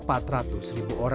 bangkitnya perfilman indonesia